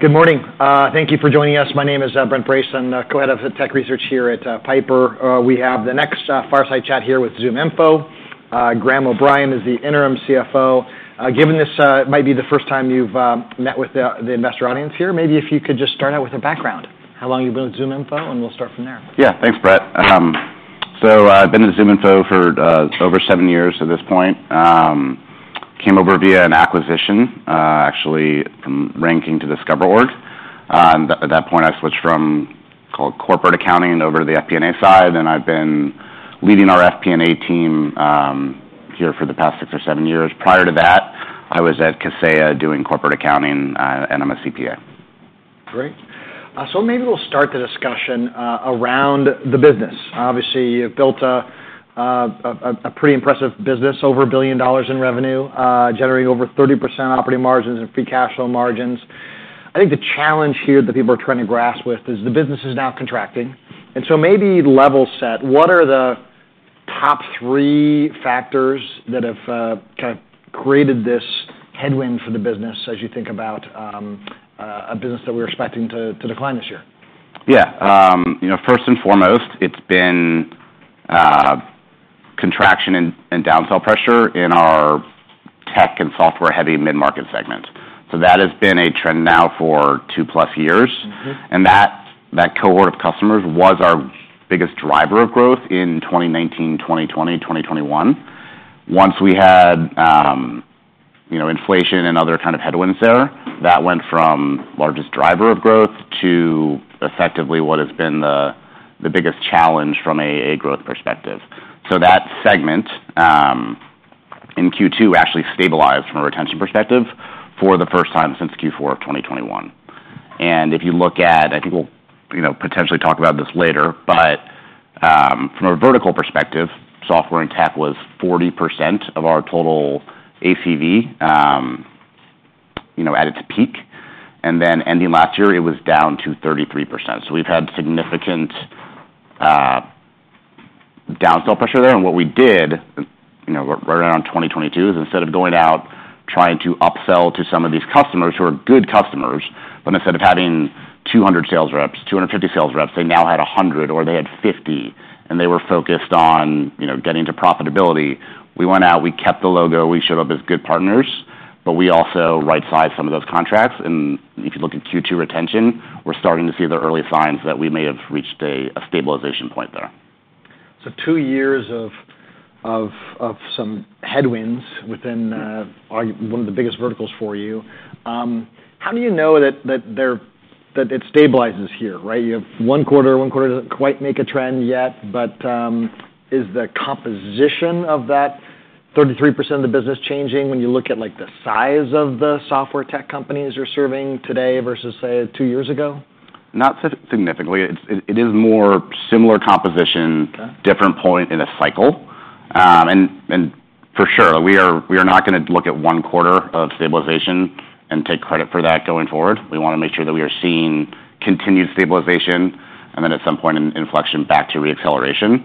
Good morning. Thank you for joining us. My name is Brent Bracelin, co-head of the tech research here at Piper. We have the next Fireside chat here with ZoomInfo. Graham O’Brien is the interim CFO. Given this, might be the first time you've met with the investor audience here, maybe if you could just start out with a background. How long you've been with ZoomInfo, and we'll start from there. Yeah. Thanks, Brent. So I've been at ZoomInfo for over seven years at this point. Came over via an acquisition, actually, from RainKing to DiscoverOrg. And at that point, I switched from, called corporate accounting over to the FP&A side, and I've been leading our FP&A team here for the past six or seven years. Prior to that, I was at Kaseya doing corporate accounting, and I'm a CPA. Great. So maybe we'll start the discussion around the business. Obviously, you've built a pretty impressive business, over $1 billion in revenue, generating over 30% operating margins and free cash flow margins. I think the challenge here that people are trying to grasp with is the business is now contracting, and so maybe level set, what are the top three factors that have kind of created this headwind for the business as you think about a business that we're expecting to decline this year? Yeah, you know, first and foremost, it's been contraction and downsell pressure in our tech and software-heavy mid-market segment. So that has been a trend now for two-plus years. Mm-hmm. And that, that cohort of customers was our biggest driver of growth in twenty nineteen, twenty twenty, twenty twenty-one. Once we had, you know, inflation and other kind of headwinds there, that went from largest driver of growth to effectively what has been the, the biggest challenge from a, a growth perspective. So that segment, in Q2, actually stabilized from a retention perspective for the first time since Q4 of twenty twenty-one. And if you look at. I think we'll, you know, potentially talk about this later, but, from a vertical perspective, software and tech was 40% of our total ACV, you know, at its peak, and then ending last year, it was down to 33%. So we've had significant, downsell pressure there. What we did, you know, right around 2022, is instead of going out, trying to upsell to some of these customers who are good customers, but instead of having 200 sales reps, 250 sales reps, they now had 100 or they had 50, and they were focused on, you know, getting to profitability. We went out, we kept the logo, we showed up as good partners, but we also right-sized some of those contracts. And if you look at Q2 retention, we're starting to see the early signs that we may have reached a stabilization point there. So two years of some headwinds within one of the biggest verticals for you. How do you know that there that it stabilizes here, right? You have one quarter, one quarter doesn't quite make a trend yet, but is the composition of that 33% of the business changing when you look at, like, the size of the software tech companies you're serving today versus, say, two years ago? Not significantly. It is more similar composition- Okay... different point in a cycle. For sure, we are not gonna look at one quarter of stabilization and take credit for that going forward. We wanna make sure that we are seeing continued stabilization, and then at some point, an inflection back to reacceleration.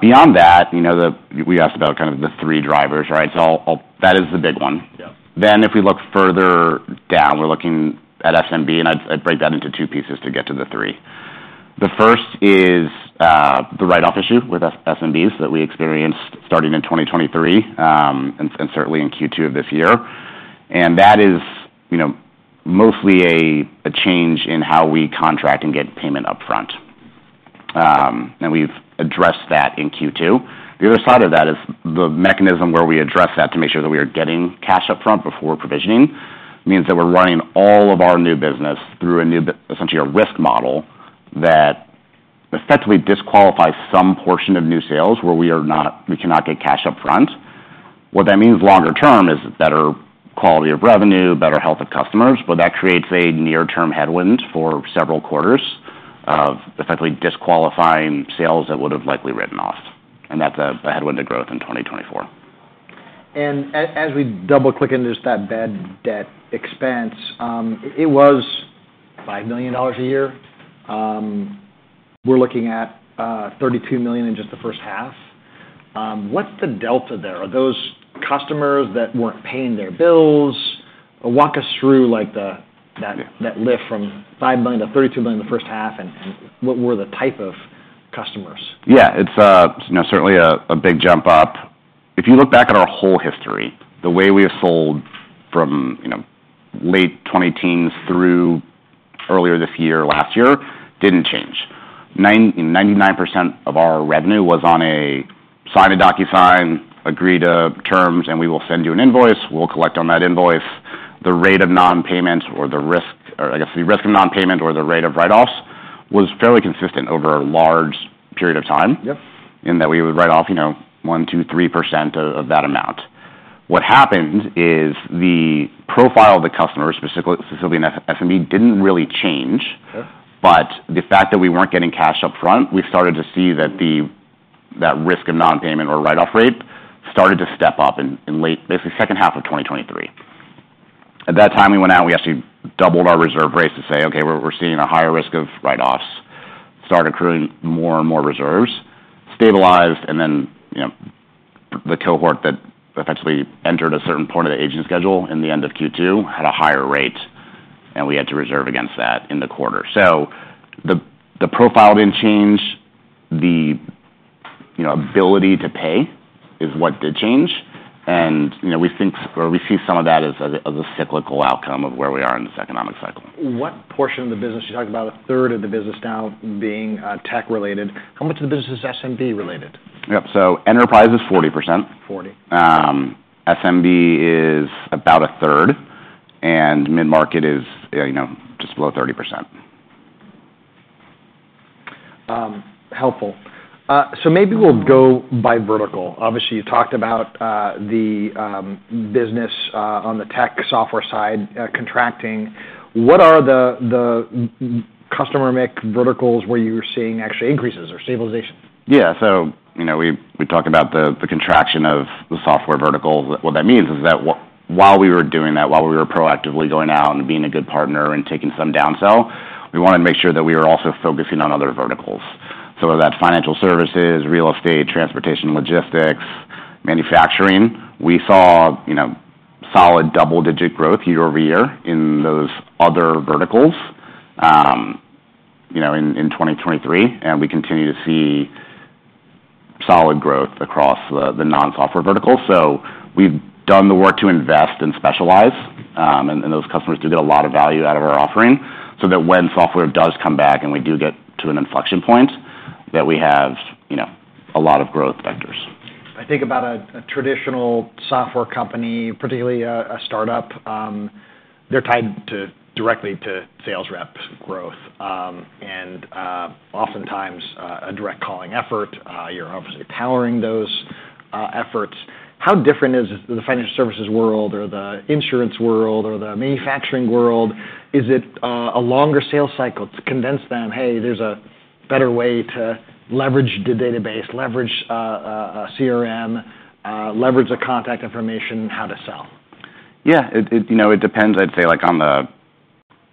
Beyond that, you know, we asked about kind of the three drivers, right? So I'll -- That is the big one. Yeah. Then if we look further down, we're looking at SMB, and I'd break that into two pieces to get to the three. The first is the write-off issue with SMBs that we experienced starting in 2023, and certainly in Q2 of this year. And that is, you know, mostly a change in how we contract and get payment upfront. And we've addressed that in Q2. The other side of that is the mechanism where we address that to make sure that we are getting cash upfront before provisioning, means that we're running all of our new business through a new essentially, a risk model that effectively disqualifies some portion of new sales where we cannot get cash upfront. What that means longer term is better quality of revenue, better health of customers, but that creates a near-term headwind for several quarters of effectively disqualifying sales that would have likely written off, and that's a headwind to growth in 2024. As we double-click into that bad debt expense, it was $5 million a year. We're looking at $32 million in just the first half. What's the delta there? Are those customers that weren't paying their bills? Walk us through, like, that- Yeah... that lift from $5 million to $32 million in the first half, and what were the type of customers? Yeah, it's, you know, certainly a big jump up. If you look back at our whole history, the way we have sold from, you know, late twenty-teens through earlier this year, last year, didn't change. 99% of our revenue was on a sign a DocuSign, agree to terms, and we will send you an invoice. We'll collect on that invoice. The rate of non-payment or the risk, or I guess, the risk of non-payment or the rate of write-offs, was fairly consistent over a large period of time. Yep. In that we would write off, you know, 1%, 2%, 3% of that amount. What happened is the profile of the customer, specifically in SMB, didn't really change. Yeah. But the fact that we weren't getting cash upfront, we started to see that the risk of non-payment or write-off rate started to step up in late, basically, second half of 2023. At that time, we went out, we actually doubled our reserve rates to say, "Okay, we're seeing a higher risk of write-offs." Started accruing more and more reserves, stabilized, and then, you know, the cohort that effectively entered a certain point of the aging schedule in the end of Q2, had a higher rate, and we had to reserve against that in the quarter. So the profile didn't change. The, you know, ability to pay is what did change, and, you know, we think or we see some of that as a cyclical outcome of where we are in this economic cycle. What portion of the business, you talked about a third of the business now being, tech-related? How much of the business is SMB-related? Yep. So enterprise is 40%. Forty. SMB is about a third, and mid-market is, you know, just below 30%. Helpful. So maybe we'll go by vertical. Obviously, you talked about the business on the tech software side, contracting. What are the customer mix verticals where you're seeing actually increases or stabilization? Yeah, so you know, we talked about the contraction of the software verticals. What that means is that while we were doing that, while we were proactively going out and being a good partner and taking some downsell, we wanted to make sure that we were also focusing on other verticals, so whether that's financial services, real estate, transportation, logistics, manufacturing, we saw, you know, solid double-digit growth year-over-year in those other verticals, you know, in 2023, and we continue to see solid growth across the non-software verticals, so we've done the work to invest and specialize, and those customers do get a lot of value out of our offering, so that when software does come back and we do get to an inflection point, that we have, you know, a lot of growth vectors. I think about a traditional software company, particularly a startup, they're tied directly to sales rep growth, and oftentimes a direct calling effort. You're obviously powering those efforts. How different is the financial services world or the insurance world or the manufacturing world? Is it a longer sales cycle to convince them, "Hey, there's a better way to leverage the database, leverage a CRM, leverage the contact information, how to sell? Yeah, you know, it depends. I'd say, like, on the.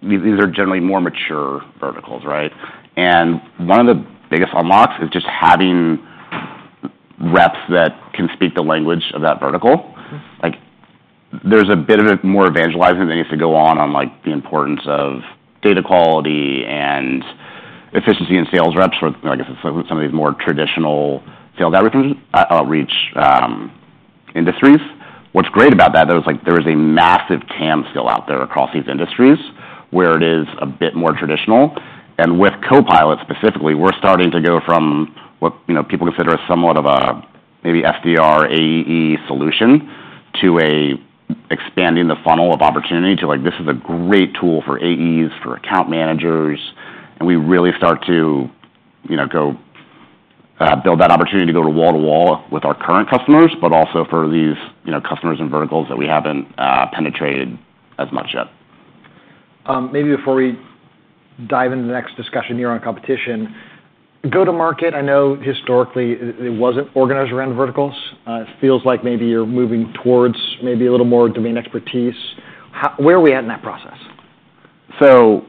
These are generally more mature verticals, right? And one of the biggest unlocks is just having reps that can speak the language of that vertical. Like, there's a bit more evangelizing that needs to go on, like, the importance of data quality and efficiency in sales reps for, I guess, some of these more traditional sales outreach industries. What's great about that, there is a massive TAM still out there across these industries, where it is a bit more traditional. And with Copilot, specifically, we're starting to go from what, you know, people consider as somewhat of a maybe SDR, AE solution to expanding the funnel of opportunity to, like, this is a great tool for AEs, for account managers. And we really start to, you know, go build that opportunity to go wall-to-wall with our current customers, but also for these, you know, customers and verticals that we haven't penetrated as much yet. Maybe before we dive into the next discussion here on competition, go-to-market, I know historically it wasn't organized around verticals. It feels like maybe you're moving towards maybe a little more domain expertise. How, where are we at in that process? So,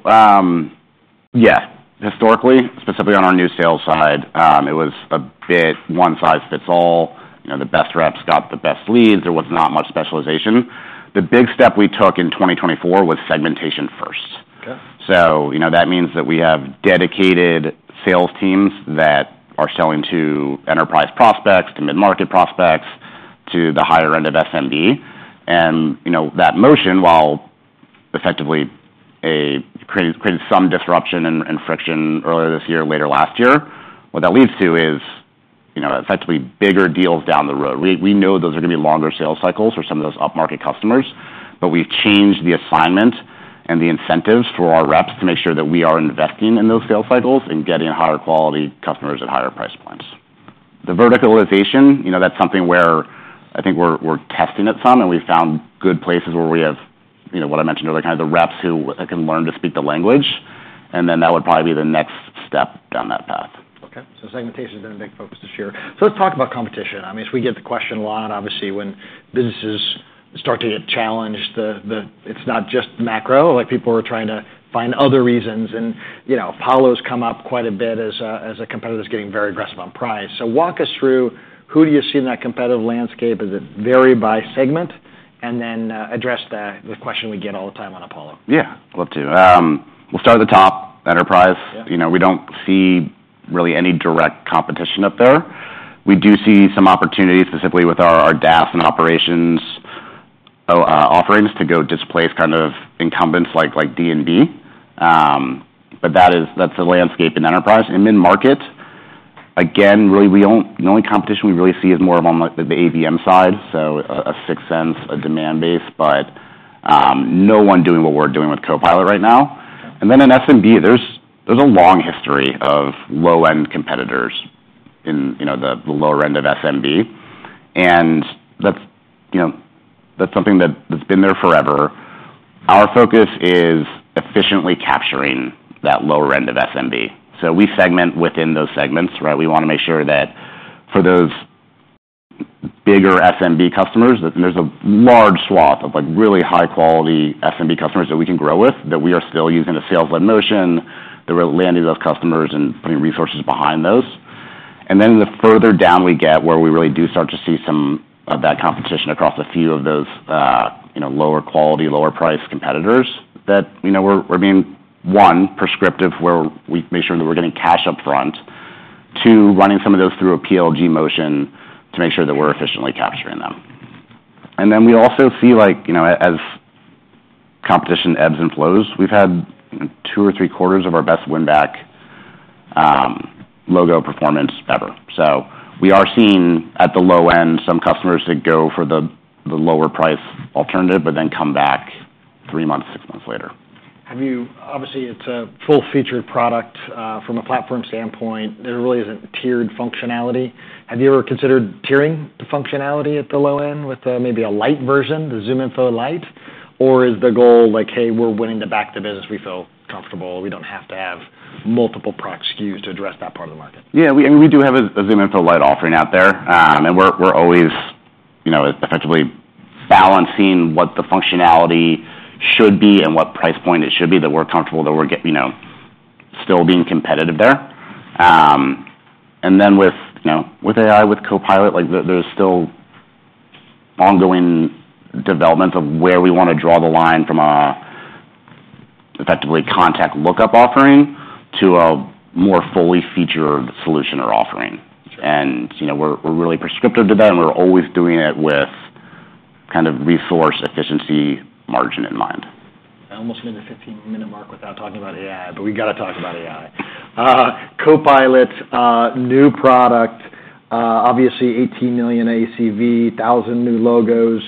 yeah, historically, specifically on our new sales side, it was a bit one size fits all. You know, the best reps got the best leads. There was not much specialization. The big step we took in 2024 was segmentation first. Okay. So, you know, that means that we have dedicated sales teams that are selling to enterprise prospects, to mid-market prospects, to the higher end of SMB, and you know, that motion, while effectively a created some disruption and friction earlier this year, later last year, what that leads to is, you know, effectively bigger deals down the road. We know those are going to be longer sales cycles for some of those up-market customers, but we've changed the assignment and the incentives for our reps to make sure that we are investing in those sales cycles and getting higher quality customers at higher price points. The verticalization, you know, that's something where I think we're testing it some, and we found good places where we have, you know, what I mentioned earlier, kind of the reps who, like, can learn to speak the language, and then that would probably be the next step down that path. Okay. So segmentation has been a big focus this year. So let's talk about competition. I mean, we get the question a lot, obviously, when businesses start to get challenged, it's not just the macro, like, people are trying to find other reasons. And, you know, Apollo's come up quite a bit as a competitor that's getting very aggressive on price. So walk us through who do you see in that competitive landscape? Does it vary by segment? And then, address the question we get all the time on Apollo. Yeah, I'd love to. We'll start at the top, enterprise. Yeah. You know, we don't see really any direct competition up there. We do see some opportunities, specifically with our DaaS and operations offerings, to go displace kind of incumbents like D&B. But that's the landscape in enterprise. In mid-market, again, really, we don't. The only competition we really see is more of on, like, the ABM side, so a 6sense, a Demandbase, but no one doing what we're doing with Copilot right now. Okay. Then in SMB, there's a long history of low-end competitors in, you know, the lower end of SMB, and that's, you know, that's something that has been there forever. Our focus is efficiently capturing that lower end of SMB. We segment within those segments, right? We want to make sure that for those bigger SMB customers, that there's a large swath of, like, really high-quality SMB customers that we can grow with, that we are still using a sales-led motion, they're landing those customers and putting resources behind those. Then the further down we get, where we really do start to see some of that competition across a few of those, you know, lower quality, lower price competitors, that, you know, we're being, one, prescriptive, where we make sure that we're getting cash upfront. Two, running some of those through a PLG motion to make sure that we're efficiently capturing them. And then we also see, like, you know, as competition ebbs and flows, we've had two or three quarters of our best win-back, logo performance ever. So we are seeing, at the low end, some customers that go for the lower price alternative, but then come back three months, six months later. Have you, obviously, it's a full-featured product, from a platform standpoint. There really isn't tiered functionality. Have you ever considered tiering the functionality at the low end with, maybe a lite version, the ZoomInfo Lite? Or is the goal like, "Hey, we're winning back the business, we feel comfortable, we don't have to have multiple product SKUs to address that part of the market? Yeah, we and we do have a ZoomInfo Lite offering out there. And we're always, you know, effectively balancing what the functionality should be and what price point it should be, that we're comfortable that we're getting, you know, still being competitive there. And then with, you know, with AI, with Copilot, like, there's still ongoing development of where we want to draw the line from a effectively contact lookup offering to a more fully featured solution or offering. And, you know, we're really prescriptive to that, and we're always doing it with kind of resource efficiency margin in mind. I almost made the fifteen-minute mark without talking about AI, but we gotta talk about AI. Copilot, new product, obviously eighteen million ACV, thousand new logos.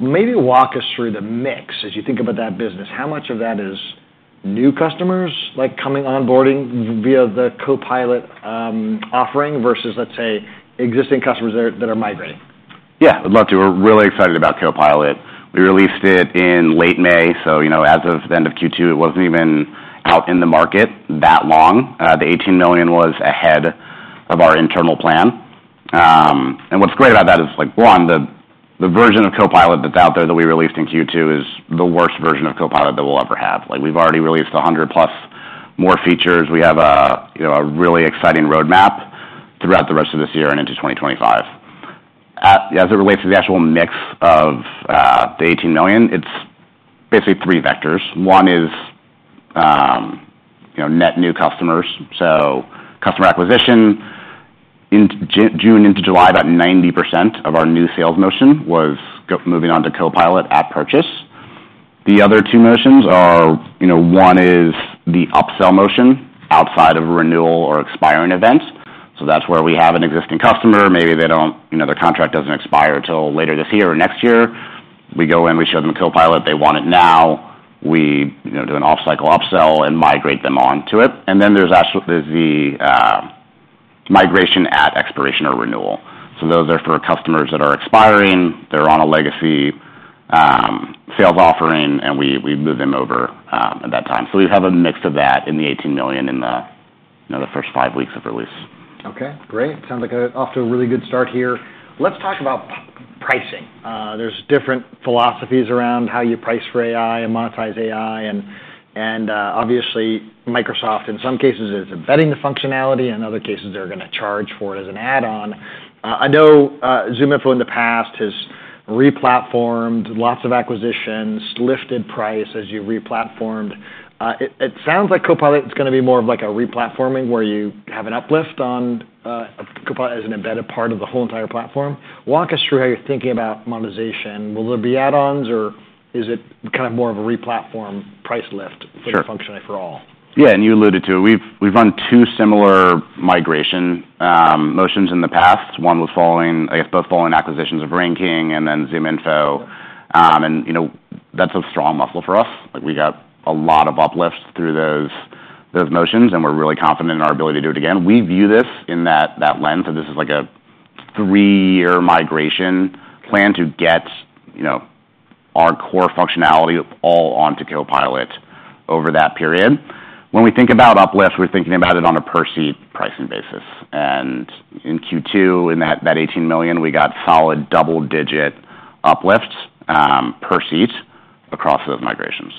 Maybe walk us through the mix as you think about that business. How much of that is new customers, like, coming onboarding via the Copilot offering, versus, let's say, existing customers that are migrating? Yeah, I'd love to. We're really excited about Copilot. We released it in late May, so, you know, as of the end of Q2, it wasn't even out in the market that long. The eighteen million was ahead of our internal plan. And what's great about that is, like, one, the version of Copilot that's out there that we released in Q2 is the worst version of Copilot that we'll ever have. Like, we've already released 100-plus more features. We have, you know, a really exciting roadmap throughout the rest of this year and into 2025. As it relates to the actual mix of the eighteen million, it's basically three vectors. One is, you know, net new customers, so customer acquisition. In June into July, about 90% of our new sales motion was moving on to Copilot at purchase. The other two motions are, you know, one is the upsell motion outside of a renewal or expiring event, so that's where we have an existing customer, maybe they don't you know, their contract doesn't expire till later this year or next year. We go in, we show them the Copilot, they want it now. We, you know, do an off-cycle upsell and migrate them onto it. And then there's actually, there's the migration at expiration or renewal. So those are for customers that are expiring, they're on a legacy sales offering, and we, we move them over at that time. So we have a mix of that in the $18 million in the, you know, the first five weeks of release. Okay, great. Sounds like we're off to a really good start here. Let's talk about pricing. There's different philosophies around how you price for AI and monetize AI. And, and, obviously Microsoft, in some cases, is embedding the functionality, in other cases, they're gonna charge for it as an add-on. I know, ZoomInfo in the past has replatformed lots of acquisitions, lifted price as you replatformed. It sounds like Copilot is gonna be more of like a replatforming, where you have an uplift on, Copilot as an embedded part of the whole entire platform. Walk us through how you're thinking about monetization. Will there be add-ons, or is it kind of more of a replatform price lift- Sure for the functionality for all? Yeah, and you alluded to it. We've run two similar migration motions in the past. One was following, I guess, both following acquisitions of RainKing and then ZoomInfo. And, you know, that's a strong muscle for us. Like, we got a lot of uplifts through those motions, and we're really confident in our ability to do it again. We view this in that lens, so this is like a three-year migration plan to get, you know, our core functionality all onto Copilot over that period. When we think about uplift, we're thinking about it on a per-seat pricing basis. And in Q2, in that $18 million, we got solid double-digit uplift per seat across those migrations.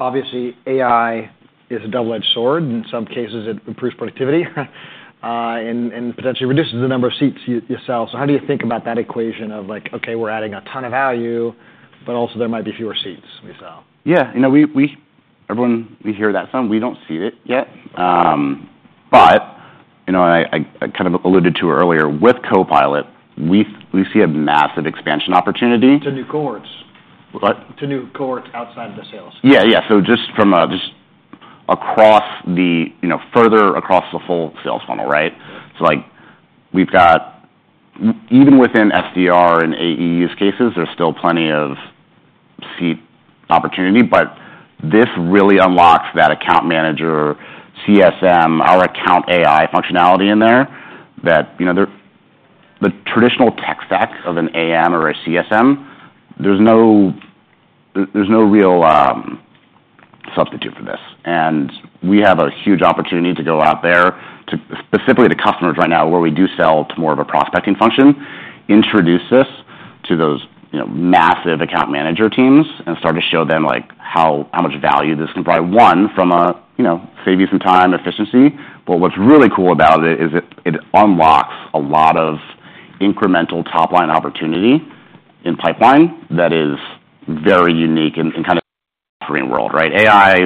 Obviously, AI is a double-edged sword. In some cases, it improves productivity, and potentially reduces the number of seats you sell. So how do you think about that equation of, like, okay, we're adding a ton of value, but also there might be fewer seats we sell? Yeah, you know, everyone, we hear that some. We don't see it yet. But, you know, I kind of alluded to it earlier, with Copilot, we see a massive expansion opportunity- To new cohorts. What? To new cohorts outside of the sales. Yeah, yeah. So just across the, you know, further across the full sales funnel, right? Yeah. So, like, we've got even within SDR and AE use cases, there's still plenty of seat opportunity, but this really unlocks that account manager, CSM, our account AI functionality in there, that, you know, the traditional tech stack of an AM or a CSM, there's no real substitute for this. And we have a huge opportunity to go out there, to specifically the customers right now, where we do sell to more of a prospecting function, introduce this to those, you know, massive account manager teams and start to show them, like, how much value this can provide. One, from a, you know, save you some time efficiency. But what's really cool about it is it unlocks a lot of incremental top-line opportunity in pipeline that is very unique and kind of offering world, right? AI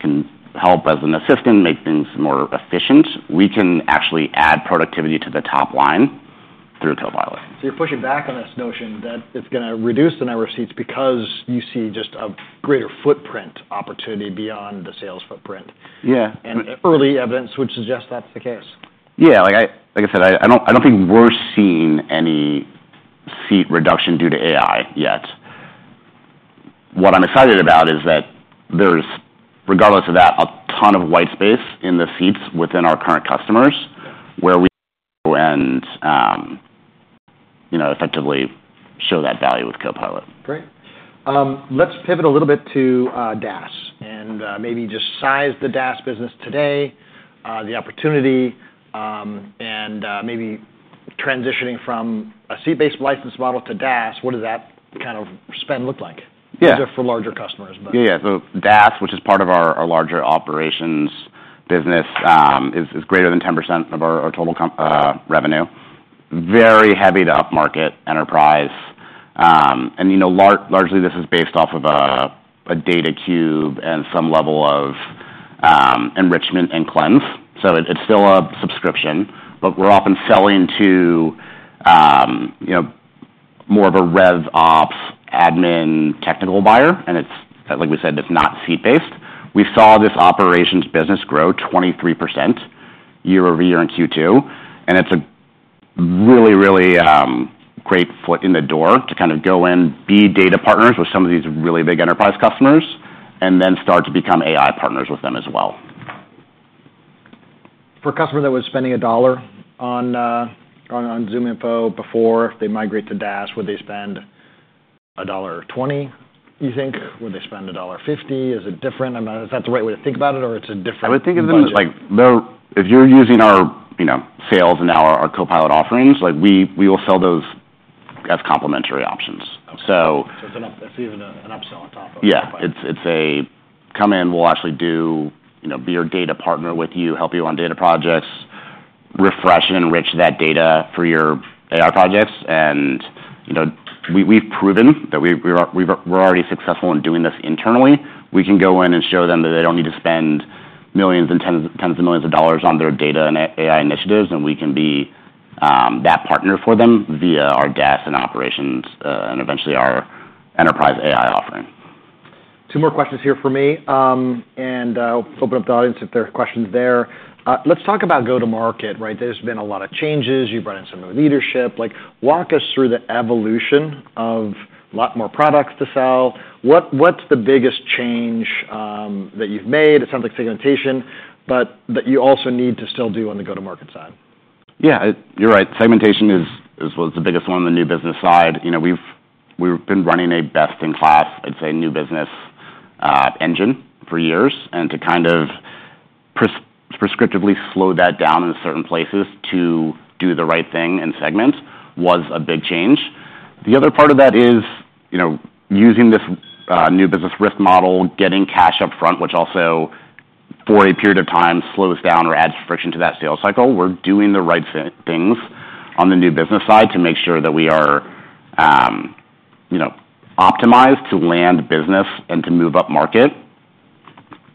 can help as an assistant, make things more efficient. We can actually add productivity to the top line through Copilot. So you're pushing back on this notion that it's gonna reduce the number of seats because you see just a greater footprint opportunity beyond the sales footprint? Yeah. Early evidence would suggest that's the case. Yeah, like I said, I don't think we're seeing any seat reduction due to AI yet. What I'm excited about is that there's, regardless of that, a ton of white space in the seats within our current customers- Yeah... where we go and, you know, effectively show that value with Copilot. Great. Let's pivot a little bit to DaaS, and maybe just size the DaaS business today, the opportunity, and maybe transitioning from a seat-based license model to DaaS, what does that kind of spend look like? Yeah. These are for larger customers, but- Yeah. So DaaS, which is part of our larger operations business, is greater than 10% of our total revenue. Very heavy to upmarket enterprise. And, you know, largely, this is based off of a data cube and some level of enrichment and cleanse. So it's still a subscription, but we're often selling to, you know, more of a RevOps, admin, technical buyer, and it's, like we said, it's not seat-based. We saw this operations business grow 23% year-over-year in Q2, and it's a really great foot in the door to kind of go in, be data partners with some of these really big enterprise customers, and then start to become AI partners with them as well. For a customer that was spending $1 on ZoomInfo before they migrate to DaaS, would they spend $1.20, you think? Would they spend $1.50? Is it different? I mean, is that the right way to think about it, or it's a different budget? I would think of them as, like, no, if you're using our, you know, sales and now our Copilot offerings, like we will sell those as complementary options. Okay. So- So it's an upsell. That's even an upsell on top of it. Yeah. It's a come in, we'll actually do, you know, be your data partner with you, help you on data projects, refresh and enrich that data for your AI projects. And, you know, we've proven that we're already successful in doing this internally. We can go in and show them that they don't need to spend millions and tens of millions of dollars on their data and AI initiatives, and we can be that partner for them via our DaaS and operations, and eventually our enterprise AI offering. Two more questions here for me. I'll open up the audience if there are questions there. Let's talk about go-to-market, right? There's been a lot of changes. You've brought in some new leadership. Like, walk us through the evolution of a lot more products to sell. What's the biggest change that you've made? It sounds like segmentation, but that you also need to still do on the go-to-market side. Yeah, you're right. Segmentation was the biggest one on the new business side. You know, we've been running a best-in-class, I'd say, new business engine for years. And to kind of prescriptively slow that down in certain places to do the right thing in segments was a big change. The other part of that is, you know, using this new business risk model, getting cash upfront, which also, for a period of time, slows down or adds friction to that sales cycle. We're doing the right things on the new business side to make sure that we are, you know, optimized to land business and to move upmarket,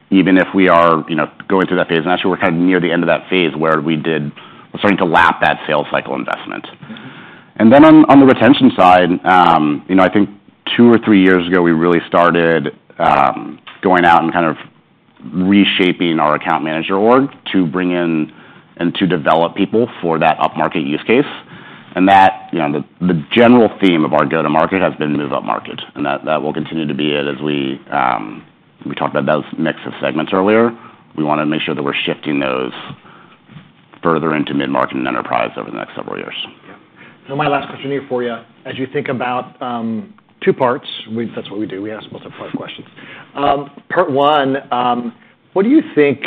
even if we are, you know, going through that phase. And actually, we're near the end of that phase where we're starting to lap that sales cycle investment. Then on the retention side, you know, I think two or three years ago, we really started going out and kind of reshaping our account manager org to bring in and to develop people for that upmarket use case. That, you know, the general theme of our go-to-market has been move upmarket, and that will continue to be it as we talked about those mix of segments earlier. We wanna make sure that we're shifting those further into mid-market and enterprise over the next several years. Yeah. So my last question here for you, as you think about, two parts, that's what we do, we ask multi-part questions. Part one, what do you think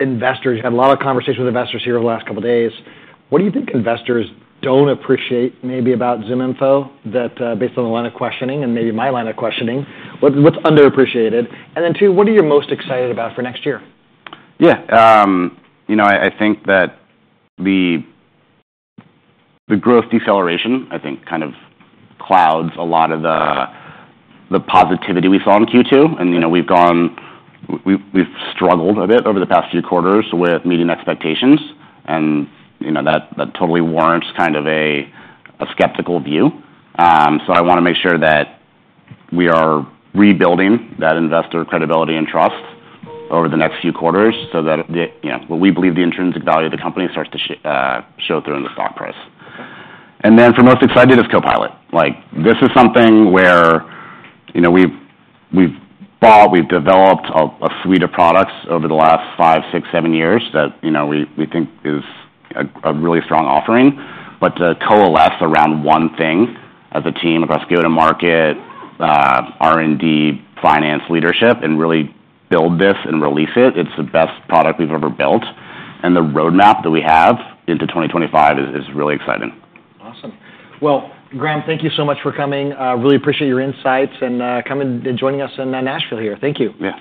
investors... You've had a lot of conversations with investors here over the last couple of days. What do you think investors don't appreciate maybe about ZoomInfo that, based on the line of questioning and maybe my line of questioning, what, what's underappreciated? And then two, what are you most excited about for next year? Yeah, you know, I think that the growth deceleration, I think, kind of clouds a lot of the positivity we saw in Q2. And, you know, we've struggled a bit over the past few quarters with meeting expectations, and, you know, that totally warrants kind of a skeptical view. So I wanna make sure that we are rebuilding that investor credibility and trust over the next few quarters so that the, you know, what we believe the intrinsic value of the company starts to show through in the stock price. Okay. And then, for most excited is Copilot. Like, this is something where, you know, we've bought, we've developed a suite of products over the last five, six, seven years that, you know, we think is a really strong offering. But to coalesce around one thing as a team across go-to-market, R&D, finance, leadership, and really build this and release it, it's the best product we've ever built, and the roadmap that we have into 2025 is really exciting. Awesome. Graham, thank you so much for coming. Really appreciate your insights and coming and joining us in Nashville here. Thank you. Yeah.